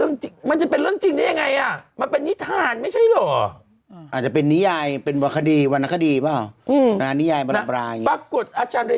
นี่ทานปลาลานี่ทานปลาลานี่ทานปลาลานี่ทานปลาลานี่ทานปลาลานี่ทานปลาลานี่ทานปลาลานี่ทานปลาลา